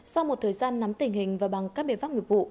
sau một thời gian nắm tình hình và bằng các biện pháp nghiệp vụ